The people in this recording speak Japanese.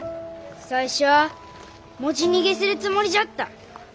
最初は持ち逃げするつもりじゃった。